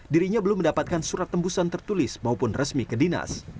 dirinya belum mendapatkan surat tembusan tertulis maupun resmi ke dinas